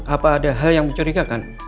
apa ada hal yang mencurigakan